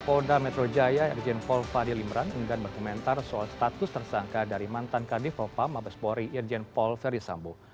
kapolda metro jaya ejen paul fadil imran ingin berkomentar soal status tersangka dari mantan kadif lopam mabespori ejen paul fadil sambo